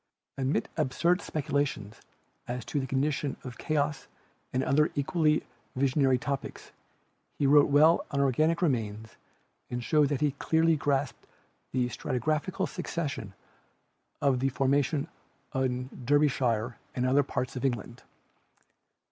Amid absurd speculations as to the condition of chaos and other equally visionary topics, he wrote well on organic remains and showed that he clearly grasped the stratigraphical succession of the formations in Derbyshire and other parts of England.